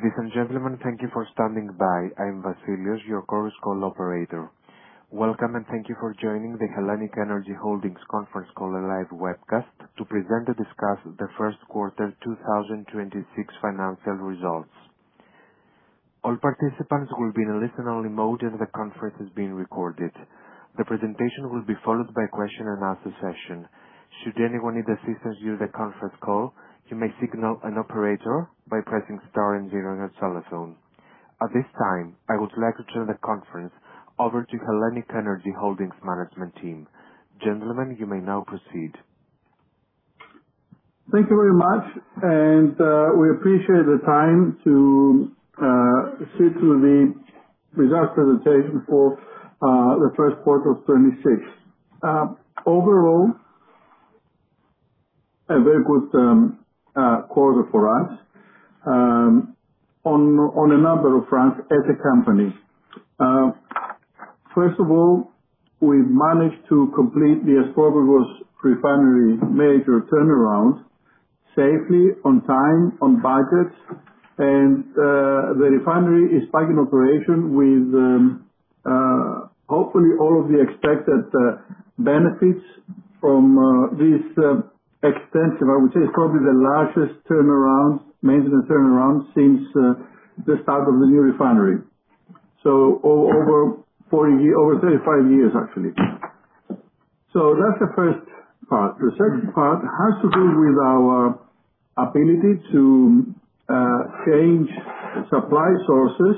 Ladies and gentlemen, thank you for standing by. I'm Vasileios, your Chorus Call operator. Welcome, and thank you for joining the HELLENiQ ENERGY Holdings conference call live webcast to present or discuss the first quarter 2026 financial results. All participants will be in a listen-only mode. The conference is being recorded. The presentation will be followed by question-and answer-session. Should anyone need assistance during the conference call, you may signal an operator by pressing star and zero on your telephone. At this time, I would like to turn the conference over to HELLENiQ ENERGY Holdings management team. Gentlemen, you may now proceed. Thank you very much. We appreciate the time to sit through the results presentation for the first quarter of 2026. Overall, a very good quarter for us on a number of fronts as a company. First of all, we managed to complete the Aspropyrgos Refinery major turnaround safely, on time, on budget. The refinery is back in operation with hopefully all of the expected benefits from this extensive I would say probably the largest turnaround, maintenance turnaround since the start of the new refinery. Over 40 years, over 35 years, actually. That's the first part. The second part has to do with our ability to change supply sources,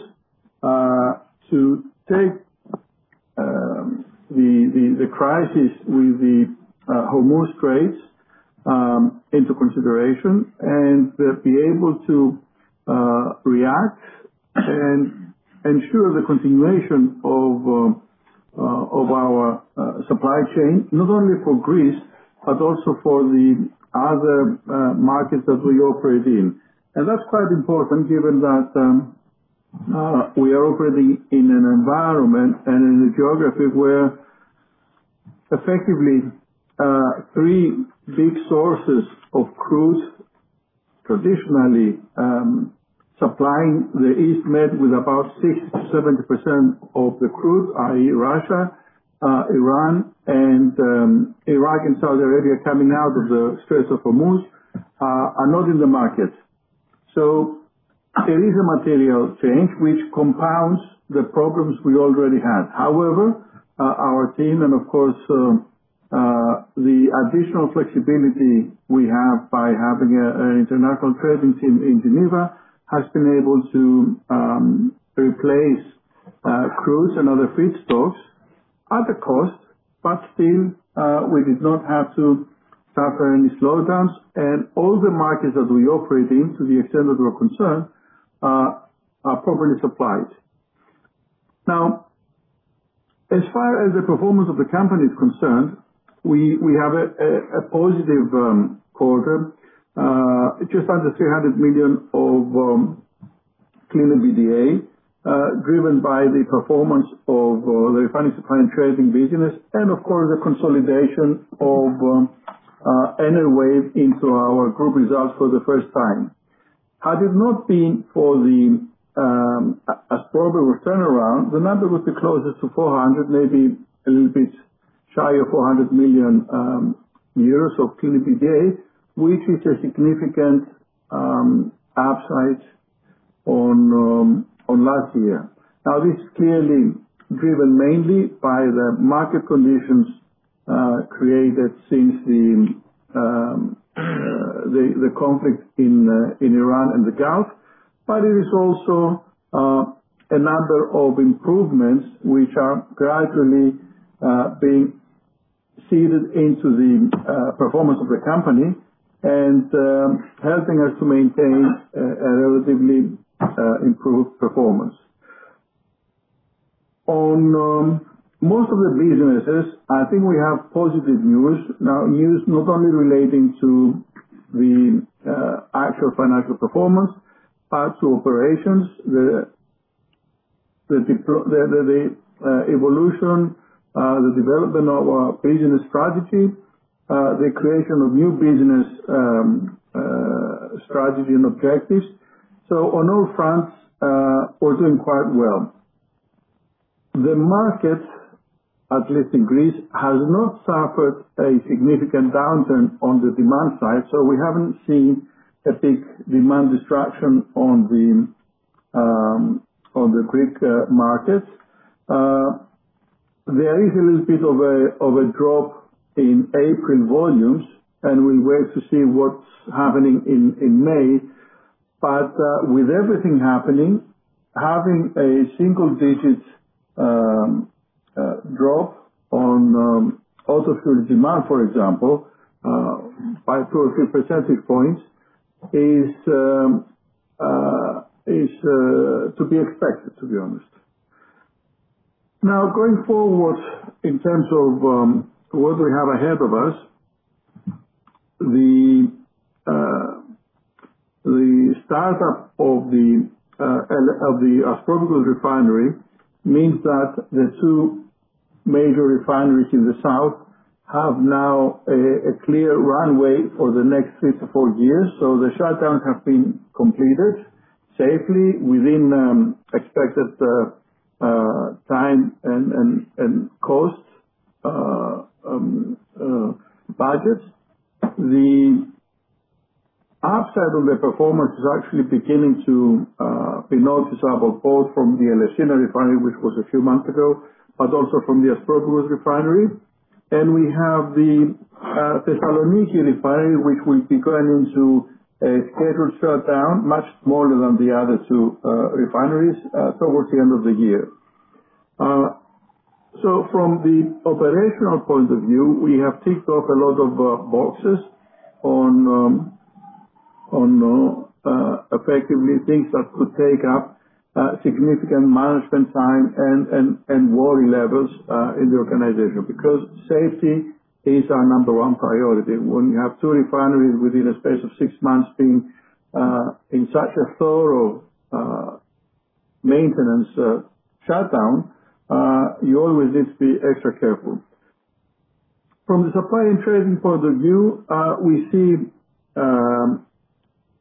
to take the crisis with the Hormuz Strait into consideration and be able to react and ensure the continuation of our supply chain, not only for Greece, but also for the other markets that we operate in. That's quite important given that we are operating in an environment and in a geography where effectively three big sources of crude traditionally supplying the East Med with about 60%-70% of the crude, i.e., Russia, Iran and Iraq and Saudi Arabia coming out of the Strait of Hormuz, are not in the market. There is a material change which compounds the problems we already had. Our team and of course, the additional flexibility we have by having an international trading team in Geneva has been able to replace crude and other feedstocks at a cost. Still, we did not have to suffer any slowdowns. All the markets that we operate in, to the extent that we're concerned, are properly supplied. As far as the performance of the company is concerned, we have a positive quarter, just under 300 million of clean EBITDA, driven by the performance of the refinery supply and trading business and of course, the consolidation of Enerwave into our group results for the first time. Had it not been for the Aspropyrgos turnaround, the number would be closer to 400 million, maybe a little bit shy of 400 million euros of clean EBITDA, which is a significant upside on last year. This is clearly driven mainly by the market conditions created since the conflict in Iran and the Gulf. It is also a number of improvements which are gradually being seeded into the performance of the company and helping us to maintain a relatively improved performance. On most of the businesses, I think we have positive news. News not only relating to the actual financial performance, but to operations, the evolution, the development of our business strategy, the creation of new business strategy and objectives. On all fronts, we're doing quite well. The market, at least in Greece, has not suffered a significant downturn on the demand side, so we haven't seen a big demand destruction on the Greek markets. There is a little bit of a drop in April volumes, and we'll wait to see what's happening in May. With everything happening, having a single-digit drop on auto fuel demand, for example, by 2 or 3 percentage points is to be expected, to be honest. Going forward, in terms of what we have ahead of us, the startup of the Aspropyrgos Refinery means that the two major refineries in the South have now a clear runway for the next three to four years. The shutdown have been completed safely within expected time and cost budgets. The upside of the performance is actually beginning to be noticeable both from the Elefsina Refinery, which was a few months ago, but also from the Aspropyrgos Refinery. We have the Thessaloniki Refinery, which will be going into a scheduled shutdown much smaller than the other two refineries towards the end of the year. From the operational point of view, we have ticked off a lot of boxes on effectively things that could take up significant management time and worry levels in the organization. Because safety is our number one priority. When you have two refineries within a space of six months being in such a thorough maintenance shutdown, you always need to be extra careful. From the supply and trading point of view, we see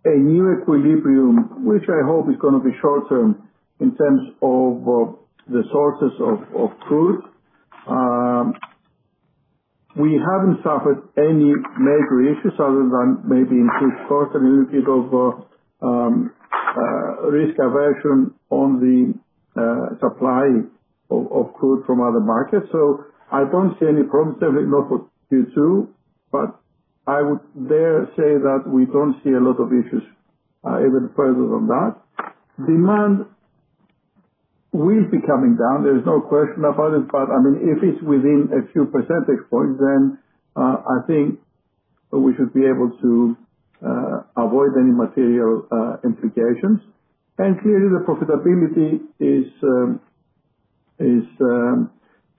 a new equilibrium, which I hope is gonna be short-term in terms of the sources of crude. We haven't suffered any major issues other than maybe increased costs and a little bit of risk aversion on the supply of crude from other markets. I don't see any problems there, at least not for Q2, but I would dare say that we don't see a lot of issues, even further than that. Demand will be coming down, there is no question about it. I mean, if it's within a few percentage points then, I think we should be able to avoid any material implications. Clearly the profitability is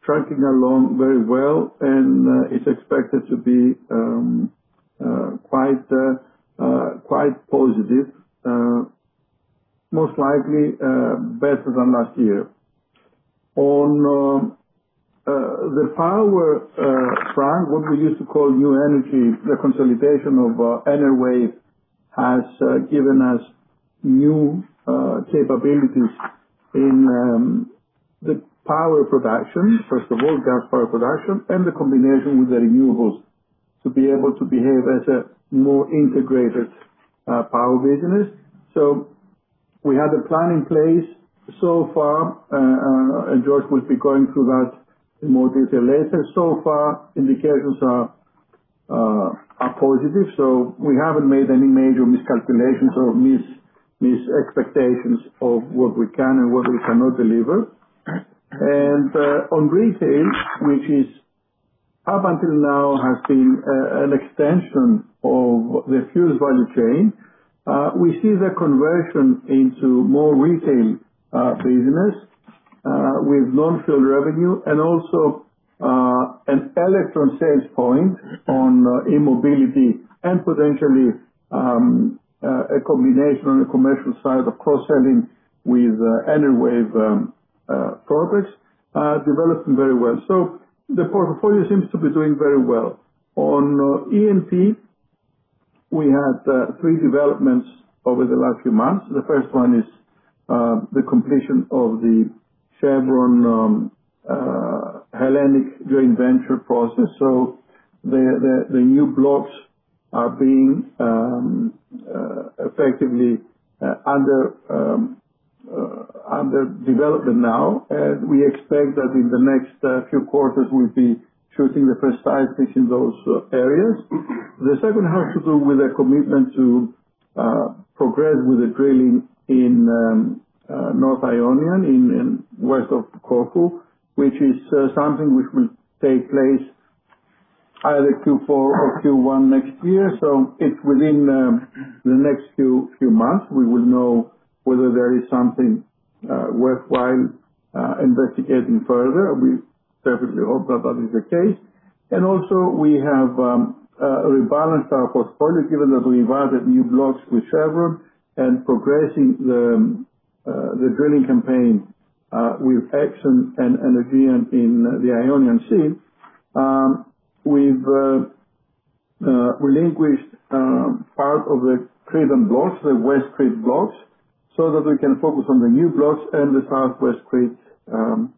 tracking along very well and is expected to be quite positive. Most likely, better than last year. On the power front, what we used to call new energy, the consolidation of Enerwave has given us new capabilities in the power production, first of all, gas power production, and the combination with the renewables, to be able to behave as a more integrated power business. We have the plan in place so far, and George will be going through that in more detail later. So far, indications are positive, we haven't made any major miscalculations or misexpectations of what we can and what we cannot deliver. On retail, which is up until now has been an extension of the fuels value chain, we see the conversion into more retail business with non-fuel revenue and also an electro sales point on e-mobility and potentially a combination on the commercial side of cross-selling with Enerwave, purpose developing very well. The portfolio seems to be doing very well. On E&P, we had three developments over the last few months. The first one is the completion of the Chevron-HELLENiQ joint venture process. The new blocks are being effectively under development now. We expect that in the next few quarters we'll be shooting the first wells in those areas. The second has to do with a commitment to progress with the drilling in North Ionian in west of Corfu, which is something which will take place either Q4 or Q1 next year. If within the next few months, we will know whether there is something worthwhile investigating further. We certainly hope that that is the case. Also we have rebalanced our portfolio, given that we invited new blocks with Chevron and progressing the drilling campaign with ExxonMobil again in the Ionian Sea. We've relinquished part of the Cretan blocks, the West Crete blocks, so that we can focus on the new blocks and the Southwest Crete block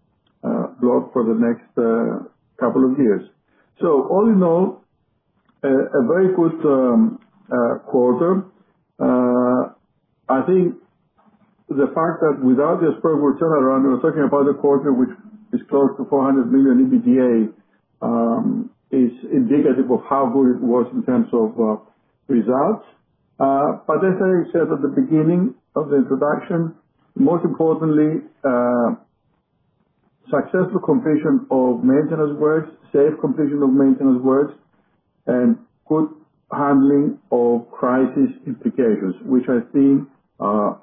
for the next two years. All in all, a very good quarter. I think the fact that without the Aspropyrgos turnaround, we're talking about a quarter which is close to 400 million EBITDA, is indicative of how good it was in terms of results. But as I said at the beginning of the introduction, most importantly, successful completion of maintenance works, safe completion of maintenance works, and good handling of crisis implications. Which I think are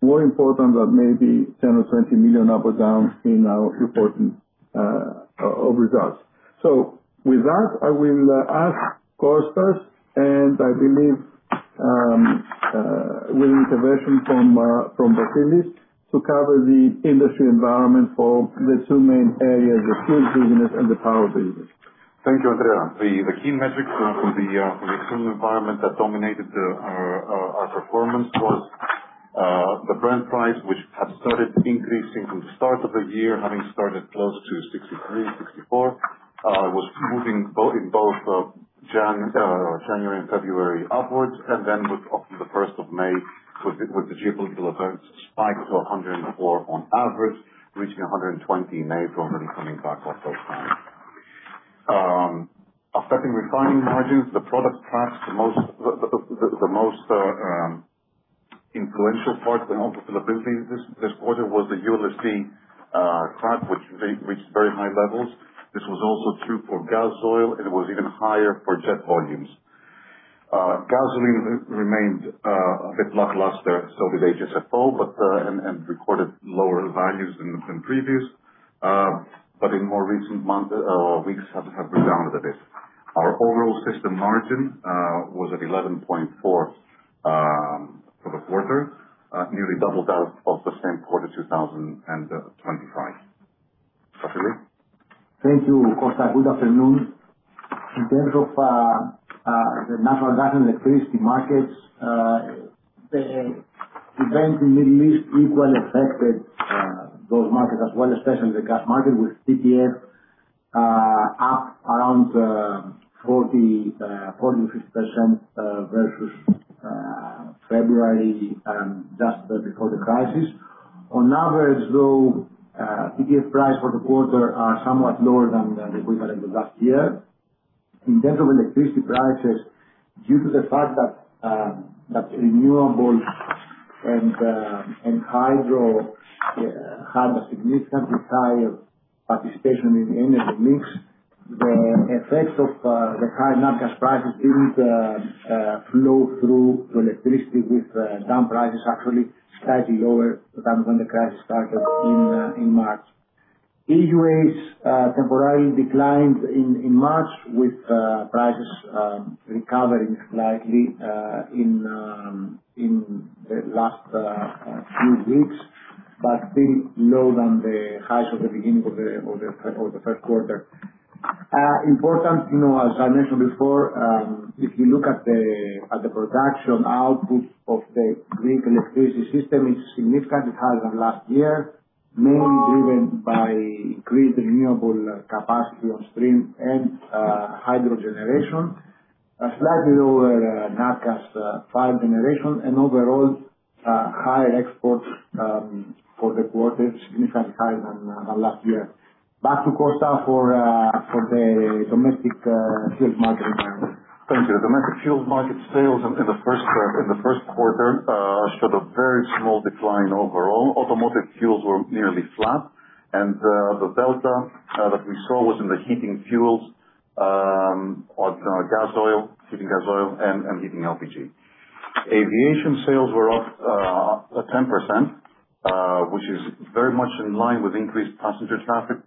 more important than maybe 10 million or 20 million up or down in our reporting of results. With that, I will ask Kostas, and I believe with intervention from Vasilis to cover the industry environment for the two main areas, the fuel business and the power business. Thank you, Andreas. The key metrics for the external environment that dominated our performance was the Brent price, which had started increasing from the start of the year, having started close to $63, $64, was moving in both January and February upwards, and then with the 1st of May, with the geopolitical events spiked to $104 on average, reaching $120 in April, then coming back off those highs. Affecting refining margins, the product tracks the most, the most influential part in all of the abilities this quarter was the ULSD crack, which reached very high levels. This was also true for gas oil, and it was even higher for jet volumes. Gasoline remained a bit lackluster, so did HSFO, and recorded lower values than previous. In more recent months, weeks have rebounded a bit. Our overall system margin was at 11.4 for the quarter, nearly double that of the same quarter, 2025. Vasilis? Thank you, Kostas. Good afternoon. In terms of the natural gas and electricity markets, the events in Middle East equally affected those markets as well, especially the gas market with TTF up around 40%-45% versus February just before the crisis. On average, though, TTF price for the quarter are somewhat lower than the equivalent of last year. In terms of electricity prices, due to the fact that renewable and hydro had a significantly higher participation in the energy mix, the effects of the current natural gas prices didn't flow through to electricity with down prices actually slightly lower than when the crisis started in March. EUAs temporarily declined in March with prices recovering slightly in the last few weeks, but still lower than the highs of the beginning of the first quarter. Important, you know, as I mentioned before, if you look at the production output of the Greek electricity system, it's significantly higher than last year. Mainly driven by increased renewable capacity on stream and hydro generation. A slightly lower natural gas fired generation and overall higher exports for the quarter, significantly higher than last year. Back to Kostas for the domestic fuel market environment. Thank you. The domestic fuel market sales in the first quarter showed a very small decline overall. Automotive fuels were nearly flat, and the delta that we saw was in the heating fuels, or gas oil, heating gas oil and heating LPG. Aviation sales were up to 10%, which is very much in line with increased passenger traffic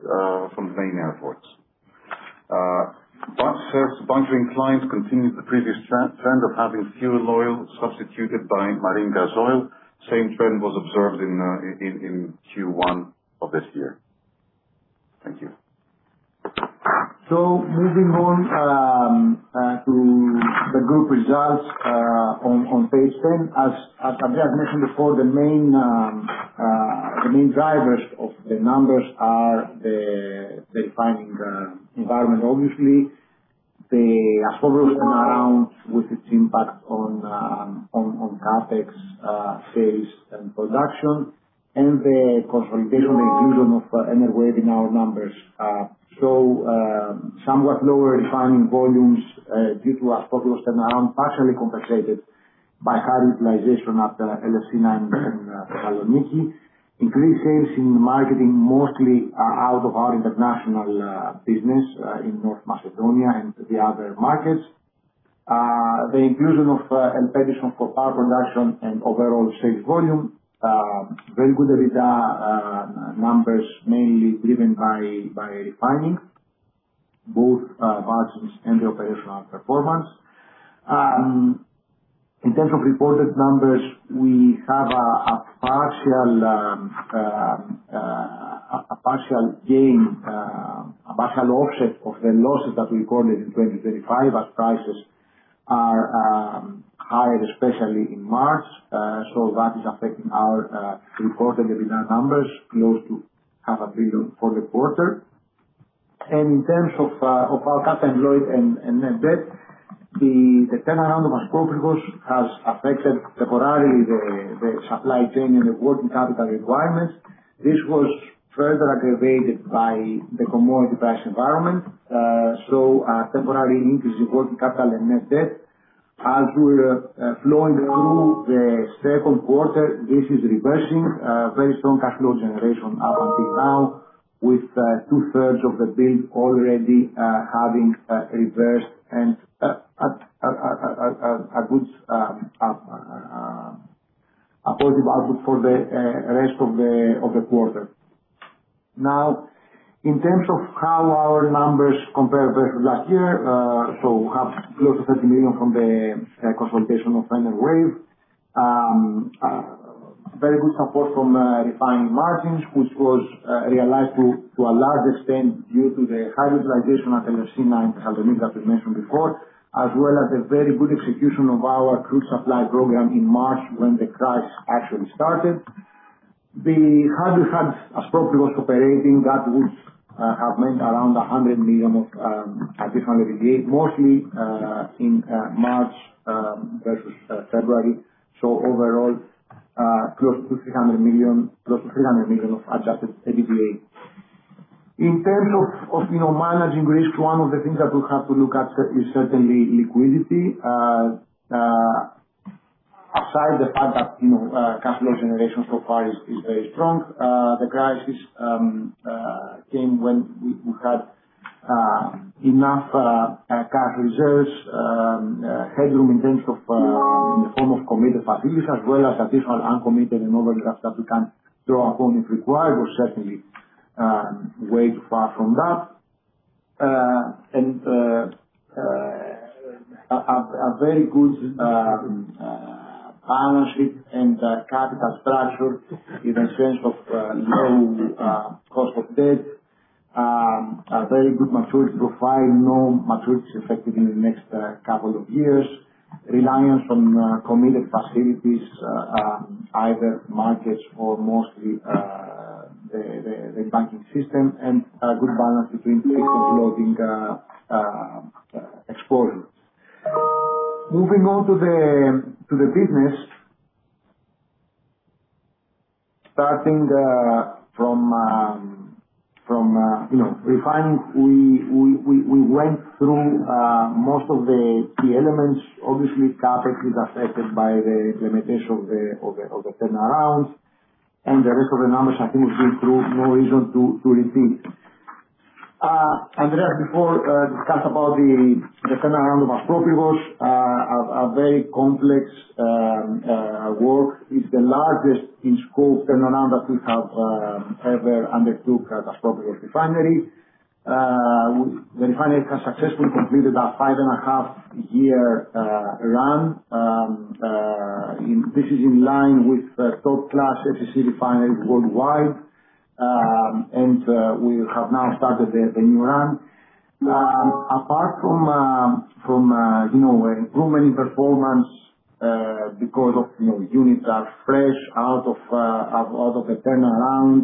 from the main airports. Bunkering clients continued the previous trend of having fuel oil substituted by marine gas oil. Same trend was observed in Q1 of this year. Thank you. Moving on to the group results on page 10. As Andreas mentioned before, the main drivers of the numbers are the refining environment, obviously. The Aspropyrgos turnaround with its impact on CapEx, sales and production, and the consolidation, the inclusion of Enerwave in our numbers. Somewhat lower refining volumes due to Aspropyrgos turnaround, partially compensated by high utilization at the Elefsina and Thessaloniki. Increased sales in marketing, mostly out of our international business in North Macedonia and the other markets. The inclusion of ELPEDISON for power production and overall sales volume. Very good EBITDA numbers mainly driven by refining. Both margins and the operational performance. In terms of reported numbers, we have a partial gain, a partial offset of the losses that we recorded in 2025 as prices are higher, especially in March. That is affecting our reported EBITDA numbers, close to half a billion for the quarter. In terms of our capital employed and net debt, the turnaround of Aspropyrgos has affected temporarily the supply chain and the working capital requirements. This was further aggravated by the commodity price environment. A temporary increase in working capital and net debt. As we're flowing through the second quarter, this is reversing very strong cash flow generation up until now, with two-thirds of the build already having reversed and a good positive outlook for the rest of the quarter. In terms of how our numbers compare versus last year, we have close to 30 million from the consolidation of Enerwave. Very good support from refining margins, which was realized to a large extent due to the high utilization at Elefsina and Thessaloniki, as mentioned before. As well as a very good execution of our crude supply program in March when the crisis actually started. Had Aspropyrgos been operating, that would have made around 100 million of additional EBITDA, mostly in March versus February. Overall, close to 300 million of adjusted EBITDA. In terms of, you know, managing risk, one of the things that we have to look at is certainly liquidity. Aside the fact that, you know, cash flow generation so far is very strong. The crisis came when we had enough cash reserves, headroom in terms of in the form of committed facilities, as well as additional uncommitted and overlaps that we can draw upon if required, or certainly way too far from that. A very good partnership and capital structure in the sense of low cost of debt. A very good maturity profile. No maturities effective in the next couple of years. Reliance on committed facilities, either markets or mostly the banking system, and a good balance between fixed and floating exposure. Moving on to the business. Starting from, you know, Refining, we went through most of the elements. Obviously, CapEx is affected by the limitation of the turnarounds. The rest of the numbers I think we've been through, no reason to repeat. Andreas before discussed about the turnaround of Aspropyrgos. A very complex work. It's the largest in scope turnaround that we have ever undertook at Aspropyrgos Refinery. The refinery has successfully completed a five and half-year run. This is in line with the top-class FCC refineries worldwide. We have now started the new run. Apart from, you know, improvement in performance, because of, you know, units are fresh out of the turnaround.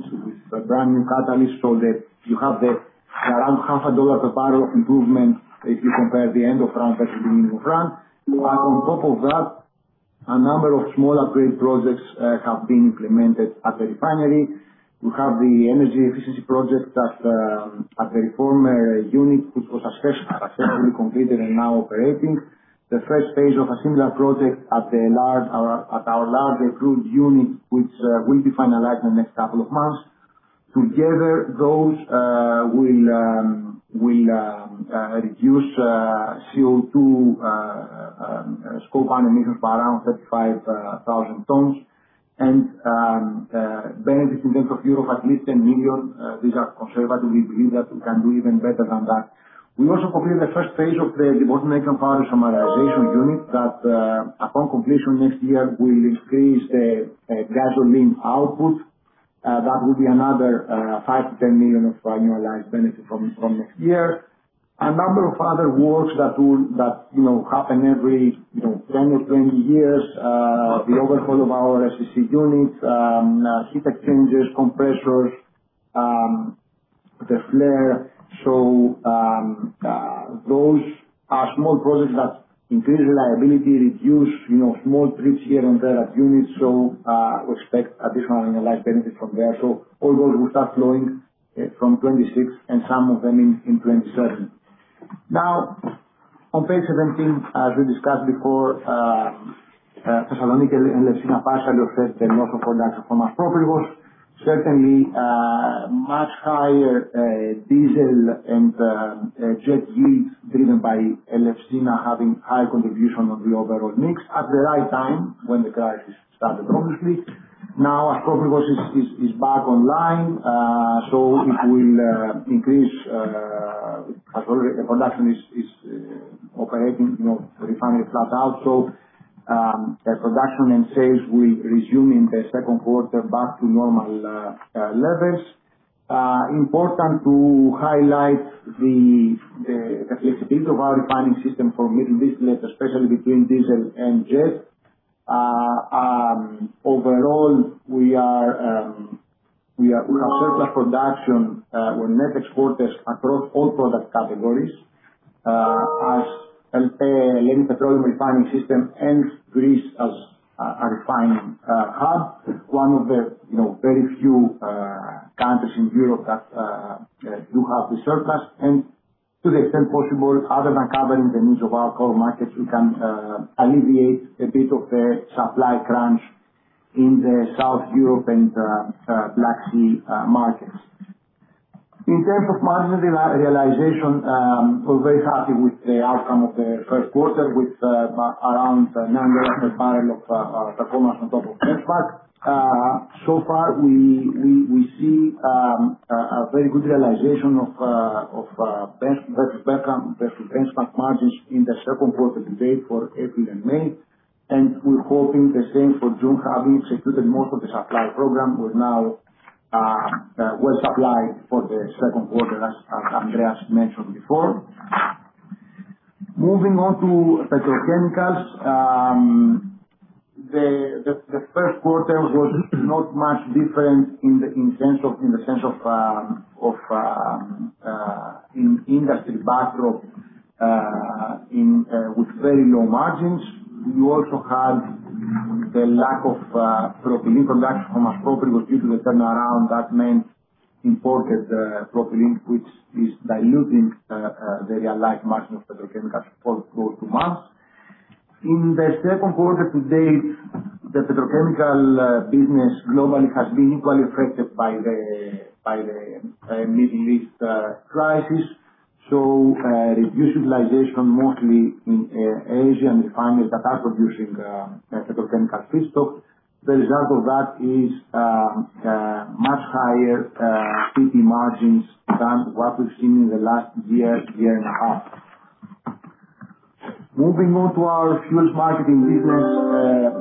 With a brand new catalyst so that you have the around $0.5 per barrel of improvement if you compare the end of run versus the beginning of run. On top of that, a number of smaller grade projects have been implemented at the refinery. You have the energy efficiency project that at the reformer unit, which was successfully completed and now operating. The first phase of a similar project at our large improved unit, which will be finalized in the next couple of months. Together, those will reduce CO2 Scope 1 emissions by around 35,000 tons. Benefit in terms of 10 million. These are conservative. We believe that we can do even better than that. We also completed the first phase of the debottlenecking of isomerization unit that, upon completion next year, will increase the gasoline output. That will be another 5 million-10 million of annualized benefit from next year. A number of other works that will, you know, happen every, you know, 10 or 20 years. The overhaul of our FCC units, heat exchangers, compressors. Those are small projects that increase reliability, reduce, you know, small trips here and there at units. We expect additional annualized benefit from there. All those will start flowing from 2026 and some of them in 2027. Now, on page 17, as we discussed before, Thessaloniki and Elefsina partially offset the lower products from Aspropyrgos. Certainly, much higher diesel and jet yields driven by Elefsina having high contribution on the overall mix at the right time when the crisis started, obviously. Now, Aspropyrgos is back online. It will increase as production is operating, you know, refinery flat out. The production and sales will resume in the second quarter back to normal levels. Important to highlight the flexibility of our refining system for meeting business, especially between diesel and jet. Overall, we have surplus production, we're net exporters across all product categories. As HELLENiQ Petroleum Refining System and Greece as a refining hub. It's one of the, you know, very few countries in Europe that do have the surplus. To the extent possible, other than covering the needs of our core markets, we can alleviate a bit of the supply crunch in the South Europe and Black Sea markets. In terms of margin re-realization, we're very happy with the outcome of the first quarter, with around 9 million barrel of our performance on top of benchmark. So far, we see a very good realization of benchmark margins in the second quarter to date for April and May. We're hoping the same for June, having executed most of the supply program, we're now well supplied for the second quarter as Andreas mentioned before. Moving on to Petrochemicals. The first quarter was not much different in the sense of industry backdrop with very low margins. We also had the lack of propylene production from Aspropyrgos due to the turnaround. That meant imported propylene, which is diluting the realized margin of petrochemical support for two months. In the second quarter to date, the petrochemical business globally has been equally affected by the Middle East crisis. Reduced utilization mostly in Asian refineries that are producing petrochemical feedstock. The result of that is much higher PP margins than what we've seen in the last year and a half. Moving on to our Fuels Marketing business.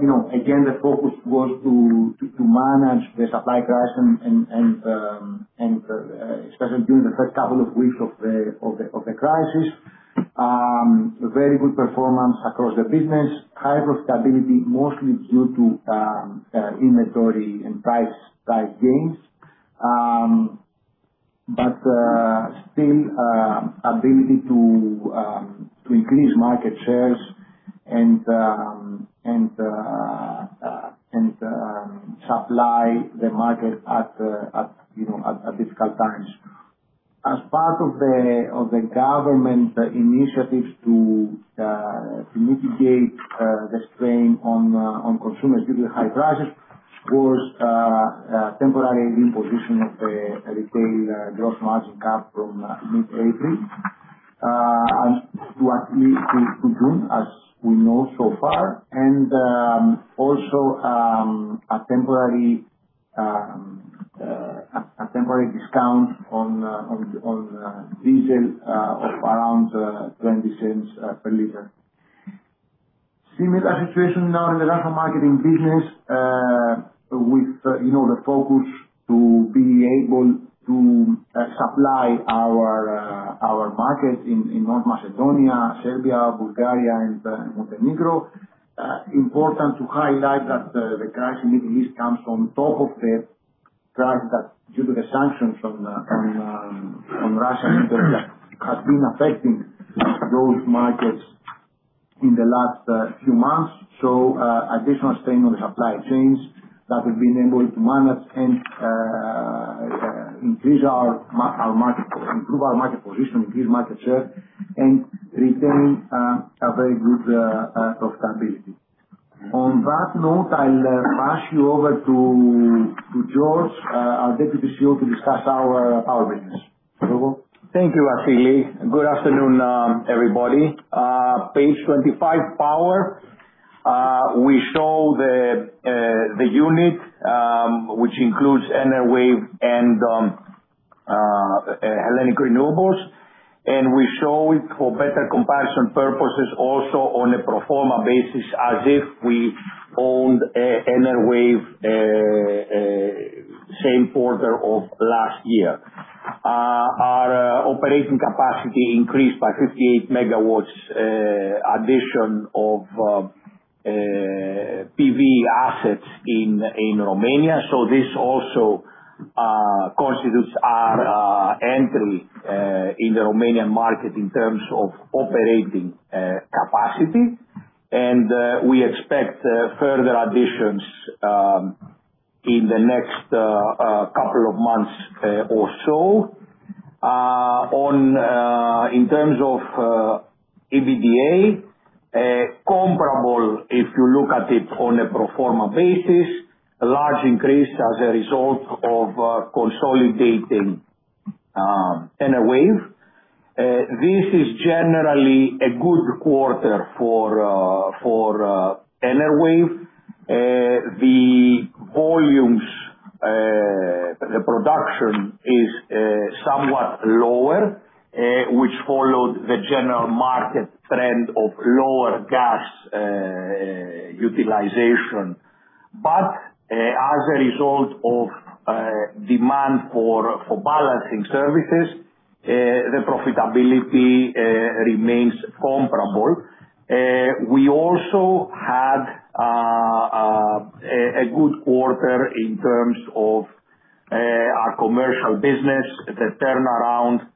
You know, again, the focus was to manage the supply crisis and especially during the first couple of weeks of the crisis. Very good performance across the business. High profitability, mostly due to inventory and price gains. Still, ability to increase market shares and supply the market at, you know, at difficult times. As part of the government initiatives to mitigate the strain on consumers due to high prices, was temporary imposition of a retail gross margin cap from mid-April and to at least to June, as we know so far. Also, a temporary discount on diesel of around 0.20 per liter. Similar situation now in the rest of marketing business, with, you know, the focus to be able to supply our markets in North Macedonia, Serbia, Bulgaria, and Montenegro. Important to highlight that the crisis in Middle East comes on top of the crisis that due to the sanctions on Russia that has been affecting those markets in the last few months. Additional strain on the supply chains that we've been able to manage and increase our market, improve our market position, increase market share and retain a very good profitability. On that note, I'll pass you over to George, our Deputy CEO, to discuss our Power business. Thank you, Vasilis. Good afternoon, everybody. Page 25, Power. We show the unit, which includes Enerwave and HELLENiQ Renewables, and we show it for better comparison purposes also on a pro forma basis, as if we owned Enerwave, same quarter of last year. Our operating capacity increased by 58 MW, addition of PV assets in Romania. This also constitutes our entry in the Romanian market in terms of operating capacity. We expect further additions in the next couple of months or so. On in terms of EBITDA comparable, if you look at it on a pro forma basis, a large increase as a result of consolidating Enerwave. This is generally a good quarter for Enerwave. The volumes, the production is somewhat lower, which followed the general market trend of lower gas utilization. As a result of demand for balancing services, the profitability remains comparable. We also had a good quarter in terms of our commercial business. The turnaround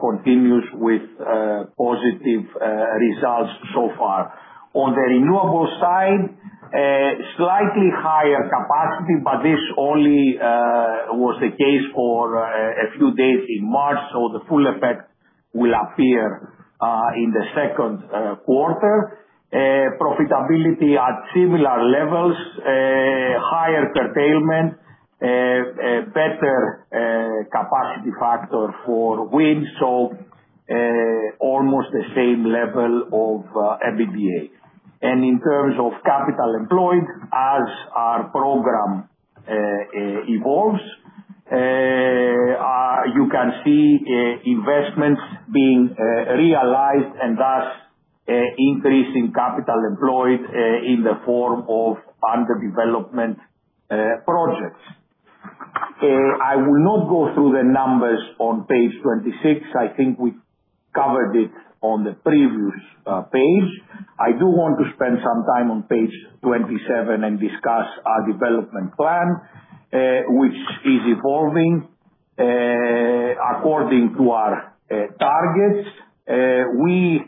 continues with positive results so far. On the renewables side, slightly higher capacity, this only was the case for a few days in March. Will appear in the second quarter. Profitability at similar levels, higher curtailment, a better capacity factor for wind. Almost the same level of EBITDA. In terms of capital employed, as our program evolves, you can see investments being realized and, thus, increasing capital employed in the form of under-development projects. I will not go through the numbers on page 26. I think we've covered it on the previous page. I do want to spend some time on page 27 and discuss our development plan, which is evolving. According to our targets, we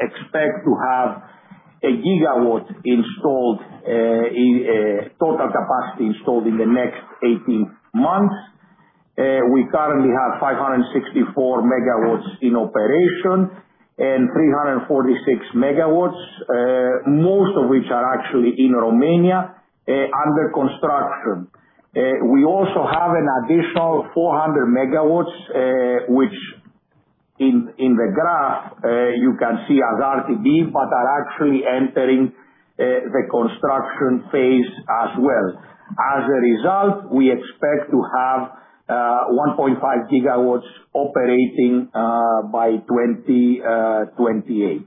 expect to have a gigawatt installed in total capacity installed in the next 18 months. We currently have 564 MW in operation, and 346 MW, most of which are actually in Romania, under construction. We also have an additional 400 MW, which in the graph, you can see as RTB, but are actually entering the construction phase as well. As a result, we expect to have 1.5 GW operating by 2028.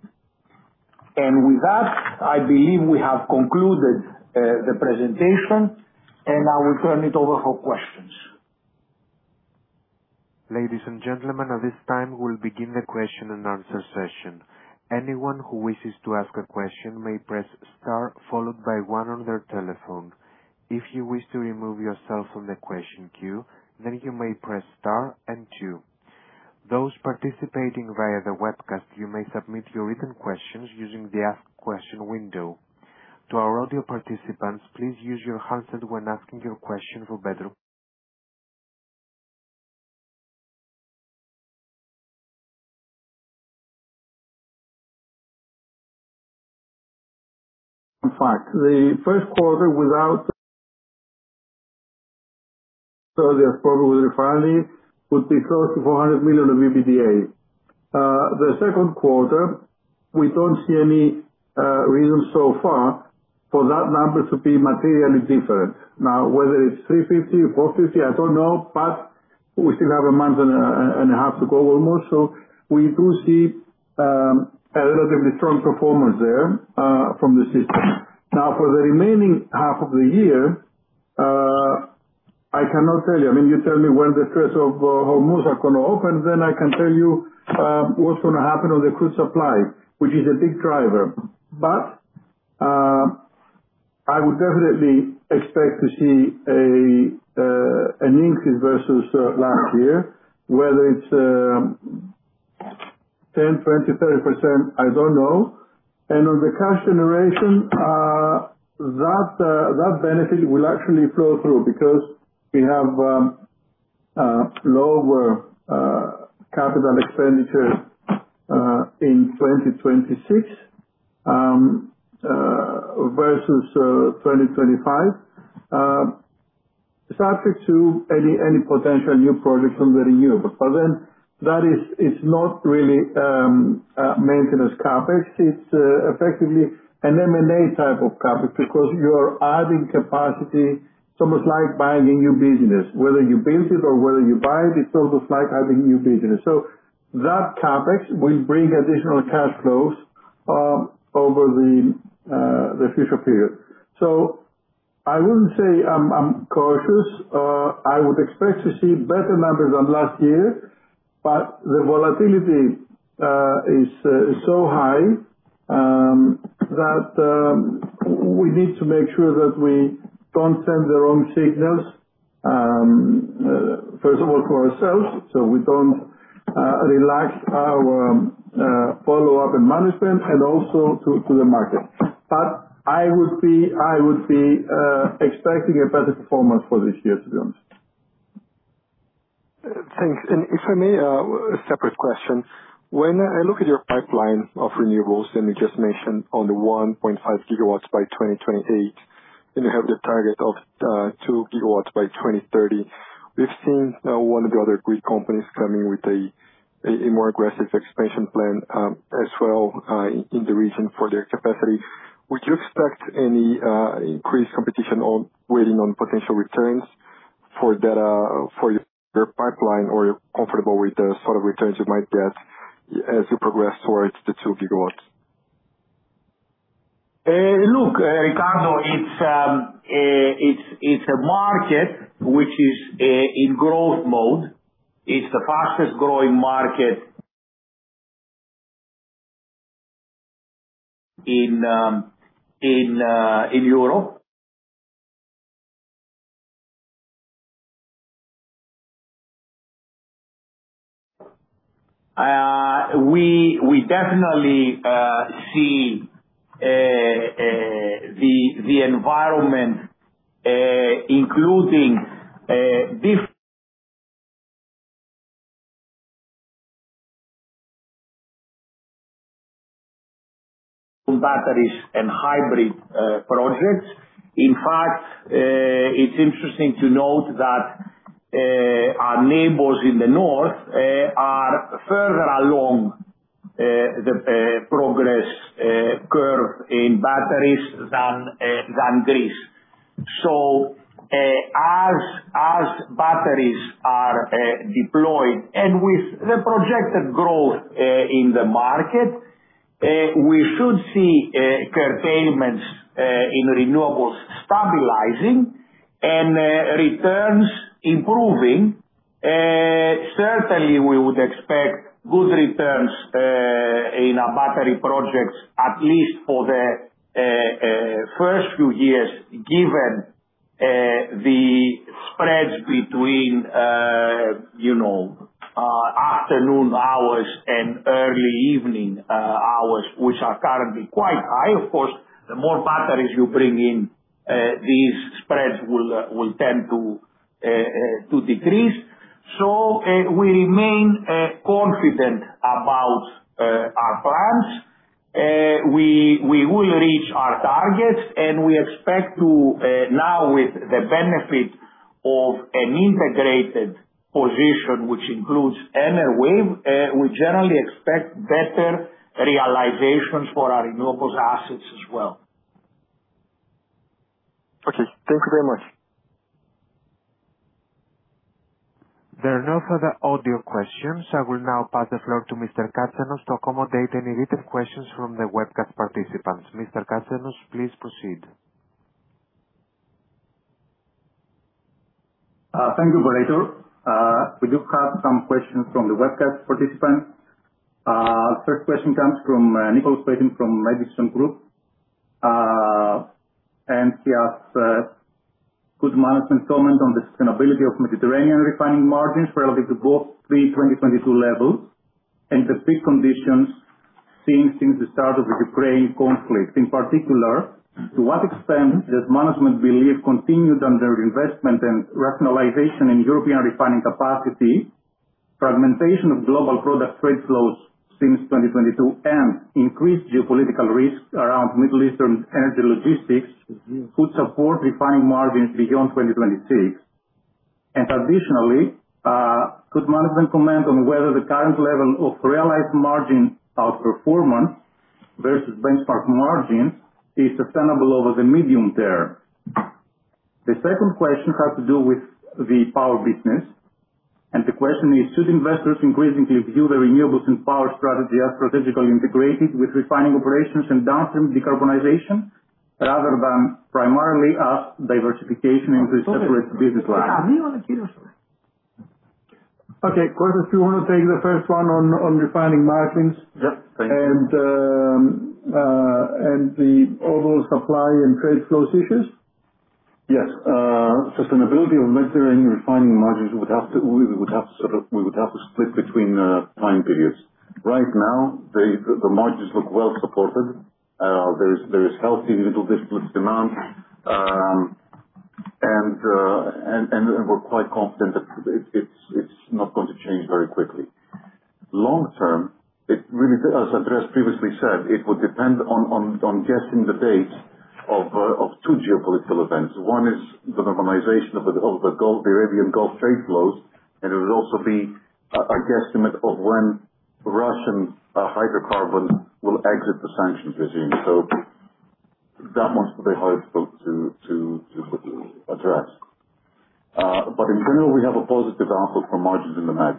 With that, I believe we have concluded the presentation, and I will turn it over for questions. Ladies and gentlemen, at this time we'll begin the question-and-answer session. Anyone who wishes to ask a question may press star followed by one on their telephone. If you wish to remove yourself from the question queue, then you may press star and two. Those participating via the webcast, you may submit your written questions using the ask question window. To our audio participants, please use your handset when asking your question for better [inaudible] In fact, the first quarter without [inaudible] so there's probably finally would be close to 400 million of EBITDA. The second quarter, we don't see any reason so far for that number to be materially different. Now, whether it's 350 million or 450 million, I don't know, but we still have a month and a half to go almost. We do see a relatively strong performance there from the system. Now, for the remaining half of the year, I cannot tell you. I mean, you tell me when the Strait of Hormuz are gonna open, then I can tell you what's gonna happen on the crude supply, which is a big driver. I would definitely expect to see an increase versus last year. Whether it's 10%, 20%, 30%, I don't know. On the cash generation, that benefit will actually flow through because we have lower capital expenditure in 2026 versus 2025. Subject to any potential new projects under renewable. That is not really maintenance CapEx, it's effectively an M&A type of CapEx because you're adding capacity. It's almost like buying a new business, whether you build it or whether you buy it's almost like adding new business. That CapEx will bring additional cash flows over the future period. I wouldn't say I'm cautious. I would expect to see better numbers than last year. The volatility is so high that we need to make sure that we don't send the wrong signals. First of all, for ourselves, so we don't relax our follow-up and management and also to the market. I would be expecting a better performance for this year, to be honest. Thanks. If I may, a separate question. When I look at your pipeline of renewables, and you just mentioned on the 1.5 GW by 2028, and you have the target of 2 GW by 2030. We've seen a more aggressive expansion plan as well in the region for their capacity. Would you expect any increased competition on waiting on potential returns for that for your pipeline, or you're comfortable with the sort of returns you might get as you progress towards the 2 GW? Look, Ricardo, it's a market which is in growth mode. It's the fastest growing market in in Europe. We definitely see the environment, including [inaudible] batteries and hybrid projects. In fact, it's interesting to note that our neighbors in the north are further along the progress curve in batteries than Greece. As batteries are deployed and with the projected growth in the market, we should see curtailments in renewables stabilizing and returns improving. Certainly, we would expect good returns in our battery projects, at least for the first few years, given the spreads between, you know, afternoon hours and early evening hours, which are currently quite high. Of course, the more batteries you bring in, these spreads will tend to decrease. We remain confident about our plans. We will reach our targets, and we expect now with the benefit of an integrated position, which includes Enerwave, we generally expect better realizations for our renewables assets as well. Okay, thank you very much. There are no further audio questions. I will now pass the floor to Mr. Katsenos to accommodate any written questions from the webcast participants. Mr. Katsenos, please proceed. Thank you, operator. We do have some questions from the webcast participant. First question comes from Nick Paton from Edison Group. He asks, could management comment on the sustainability of Mediterranean refining margins relative to both pre-2022 levels and the peak conditions seen since the start of the Ukraine conflict. In particular, to what extent does management believe continued under-investment and rationalization in European refining capacity, fragmentation of global product trade flows since 2022, and increased geopolitical risks around Middle Eastern energy logistics could support refining margins beyond 2026. Additionally, could management comment on whether the current level of realized margin outperformance versus benchmark margins is sustainable over the medium term? The second question has to do with the power business. The question is: Should investors increasingly view the renewables and power strategy as strategically integrated with refining operations and downstream decarbonization, rather than primarily as diversification in this separate business line? Okay. Kostas, do you wanna take the first one on refining margins. Yep. Thank you. The overall supply and trade flows issues? Yes. Sustainability of Mediterranean refining margins we would have to split between time periods. Right now, the margins look well supported. There is healthy middle distillate demand. We're quite confident that it's not going to change very quickly. Long term, it really, as Andreas previously said, it would depend on guessing the dates of two geopolitical events. One is the normalization of the Gulf, the Arabian Gulf trade flows, and it will also be a guesstimate of when Russian hydrocarbon will exit the sanctions regime. That one's a bit hard, folks, to address. In general, we have a positive outlook for margins in the Med.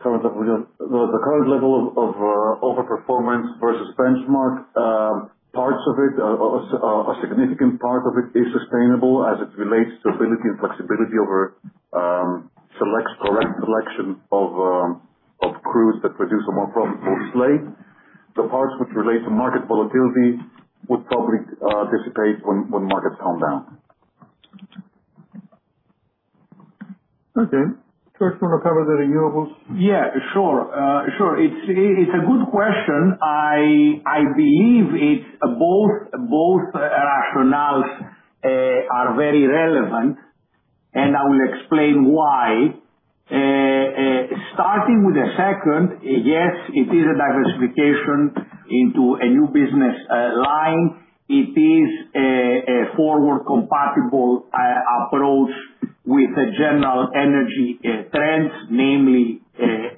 Currently, Well, the current level of overperformance versus benchmark, parts of it, a significant part of it is sustainable as it relates to ability and flexibility over correct selection of crude that produce a more profitable slate. The parts which relate to market volatility would probably dissipate when markets calm down. Okay. George, wanna cover the renewables? Yeah, sure. Sure. It's a good question. I believe both rationales are very relevant, and I will explain why. Starting with the second, yes, it is a diversification into a new business line. It is a forward-compatible approach with the general energy trends, namely,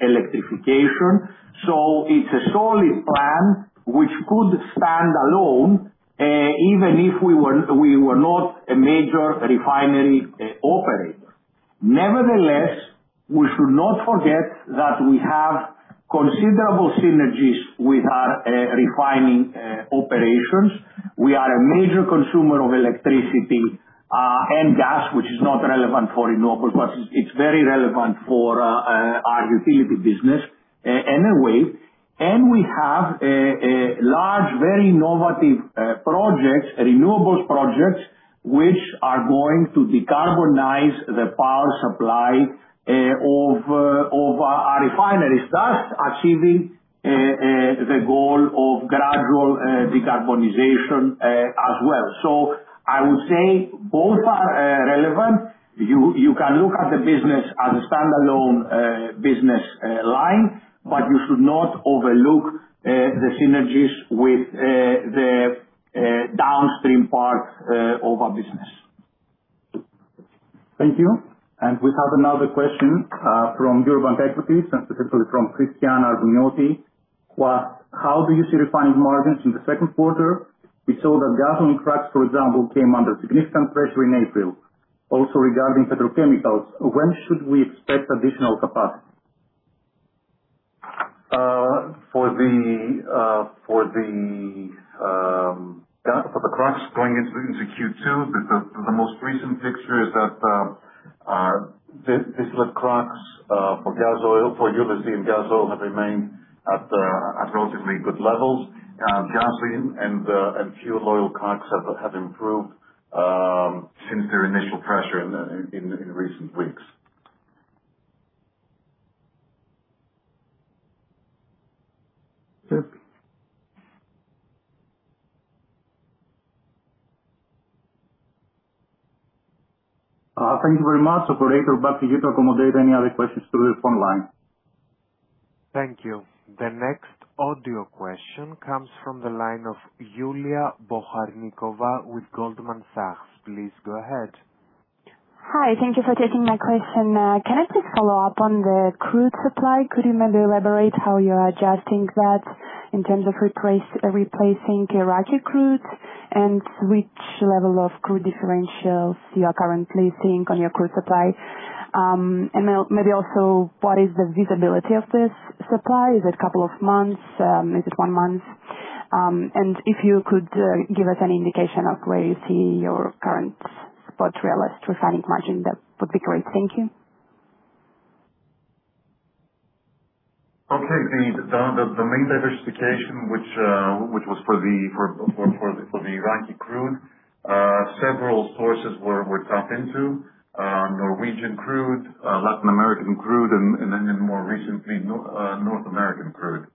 electrification. It's a solid plan which could stand alone, even if we were not a major refinery operator. Nevertheless, we should not forget that we have considerable synergies with our refining operations. We are a major consumer of electricity and gas, which is not relevant for renewables. It's very relevant for our utility business anyway. We have a large, very innovative projects, renewables projects. Which are going to decarbonize the power supply of our refineries. That's achieving the goal of gradual decarbonization as well. I would say both are relevant. You can look at the business as a standalone business line, but you should not overlook the synergies with the downstream part of our business. Thank you. We have another question, from Eurobank Equities, and specifically from Christiana Armpounioti. How do you see refining margins in the second quarter? We saw that gasoline cracks, for example, came under significant pressure in April. Regarding petrochemicals, when should we expect additional capacity? For the cracks going into Q2, the most recent picture is that our distillate cracks, for gas oil, for ULSD and gas oil have remained at relatively good levels. Gasoline and fuel oil cracks have improved since their initial pressure in recent weeks. Sure. Thank you very much. Operator, back to you to accommodate any other questions through the phone line. Thank you. The next audio question comes from the line of Yulia Bocharnikova with Goldman Sachs. Please go ahead. Hi. Thank you for taking my question. Can I please follow up on the crude supply? Could you maybe elaborate how you're adjusting that in terms of replacing Iraqi crudes? Which level of crude differentials you are currently seeing on your crude supply? Maybe also what is the visibility of this supply? Is it a couple of months, is it one month? If you could give us any indication of where you see your current spot realized refining margin, that would be great. Thank you. Okay. The main diversification, which was for the Iraqi crude, several sources were tapped into. Norwegian crude, Latin American crude, and then more recently, North American crude.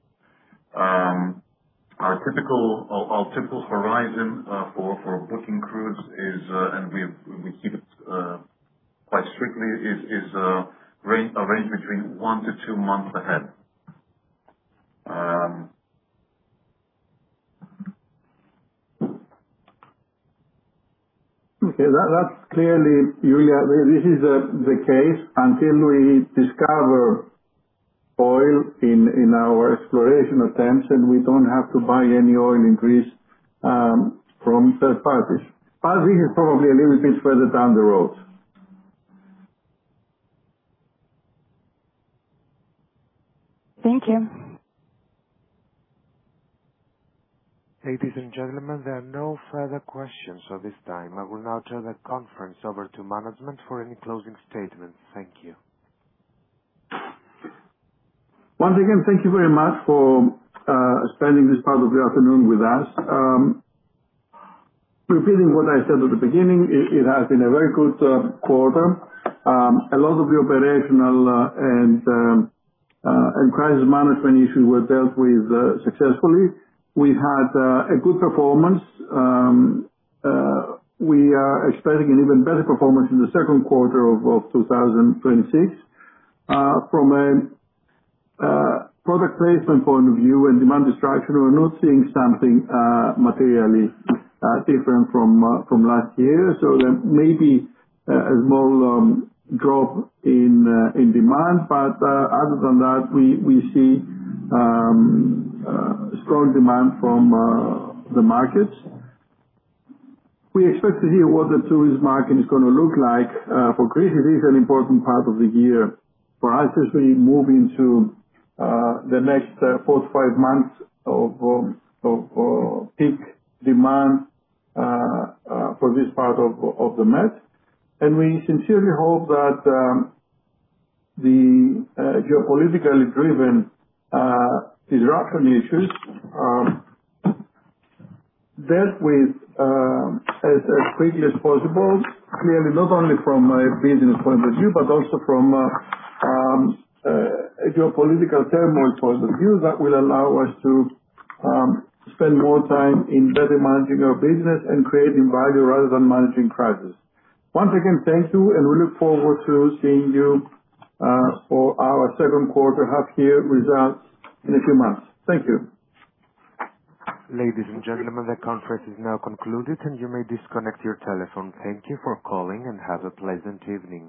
Our typical horizon for booking crudes is, and we keep it quite strictly, is a range between one to two months ahead. Okay. That's clearly, Yulia, this is the case until we discover oil in our exploration attempts, and we don't have to buy any oil increase from third parties. This is probably a little bit further down the road. Thank you. Ladies and gentlemen, there are no further questions at this time. I will now turn the conference over to management for any closing statements. Thank you. Once again, thank you very much for spending this part of the afternoon with us. Repeating what I said at the beginning, it has been a very good quarter. A lot of the operational and crisis management issues were dealt with successfully. We've had a good performance. We are expecting an even better performance in the second quarter of 2026. From a product placement point of view and demand destruction, we're not seeing something materially different from last year. Maybe a small drop in demand, but other than that, we see strong demand from the markets. We expect to hear what the tourist market is gonna look like. For Greece, this is an important part of the year for us as we move into the next four to five months of peak demand for this part of the Med. We sincerely hope that the geopolitically driven disruption issues dealt with as quickly as possible. Clearly, not only from a business point of view, but also from a geopolitical turmoil point of view that will allow us to spend more time in better managing our business and creating value rather than managing crisis. Once again, thank you, and we look forward to seeing you for our second quarter half-year results in a few months. Thank you. Ladies and gentlemen, the conference is now concluded, and you may disconnect your telephone. Thank you for calling, and have a pleasant evening.